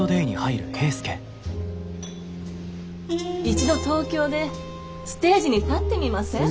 一度東京でステージに立ってみません？